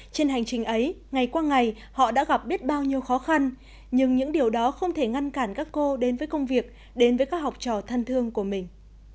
trên hành trình ấy ngày qua ngày họ đã gặp biết bao nhiêu khó khăn nhưng những điều đó không thể ngăn cản các cô đến với công việc đến với các học trò thân thương của mình